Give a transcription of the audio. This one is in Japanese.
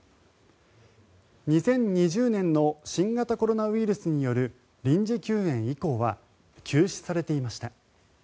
２０２０年の新型コロナウイルスによる臨時休園以降は休止されていました。